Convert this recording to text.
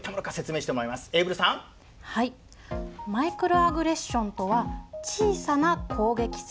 はいマイクロアグレッションとは小さな攻撃性。